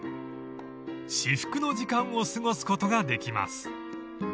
［至福の時間を過ごすことができます］